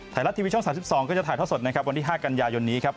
ไทยรัฐทีวีช่อง๓๒ก็จะถ่ายท่อสดนะครับวันที่๕กันยายนนี้ครับ